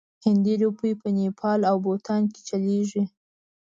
هندي روپۍ په نیپال او بوتان کې چلیږي.